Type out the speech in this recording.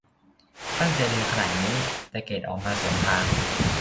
ตั้งใจเรียนขนาดนี้ แต่เกรดออกมาสวนทาง